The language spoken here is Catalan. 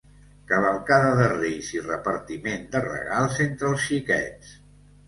Cavalcada de Reis i repartiment de regals entre els xiquets.